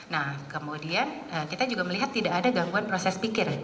nah kemudian kita juga melihat tidak ada gangguan proses pikir